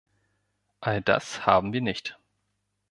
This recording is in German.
All das haben wir nicht.